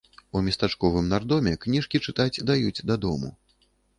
У местачковым нардоме кніжкі чытаць даюць дадому.